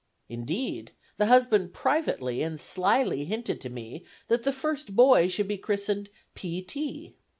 Indeed, the husband privately and slyly hinted to me that the first boy should be christened "P. T."